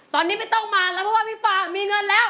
ตอนนี้ไม่ต้องมาแล้วเพราะว่าพี่ป่ามีเงินแล้ว